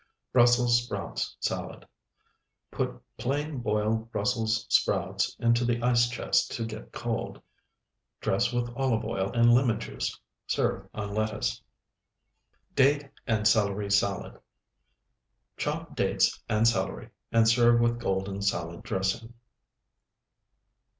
BRUSSELS SPROUTS SALAD Put plain boiled Brussels sprouts into the ice chest to get cold. Dress with olive oil and lemon juice. Serve on lettuce. DATE AND CELERY SALAD Chop dates and celery, and serve with golden salad dressing.